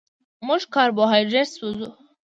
موږ کاربوهایډریټ سوځوو